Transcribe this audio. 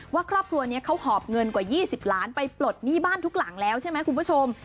ครอบครัวนี้เขาหอบเงินกว่า๒๐ล้านไปปลดหนี้บ้านทุกหลังแล้วใช่ไหมคุณผู้ชม